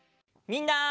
みんな！